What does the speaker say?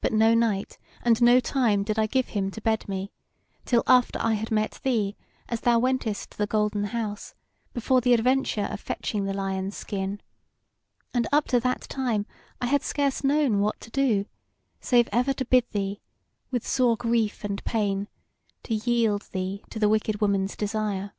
But no night and no time did I give him to bed me, till after I had met thee as thou wentest to the Golden House, before the adventure of fetching the lion's skin; and up to that time I had scarce known what to do, save ever to bid thee, with sore grief and pain, to yield thee to the wicked woman's desire.